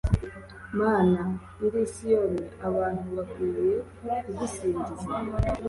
mana iri i siyoni, abantu bakwiye kugusingiza